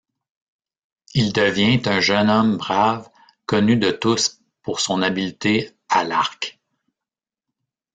Il devient un jeune homme brave, connu de tous pour son habileté à l'arc.